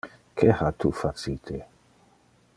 Que ha tu facite?